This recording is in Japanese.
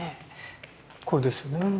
これですよね。